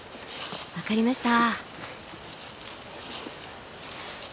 分かりました。